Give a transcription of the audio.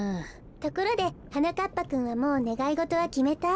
ところではなかっぱくんはもうねがいごとはきめた？